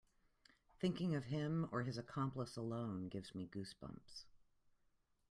Thinking of him or his accomplice alone gives me goose bumps.